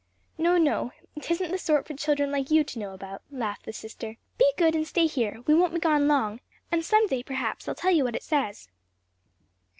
"No, no! tisn't the sort for children like you to know about," laughed the sister. "Be good and stay here. We won't be gone long; and some day, perhaps, I'll tell you what it says."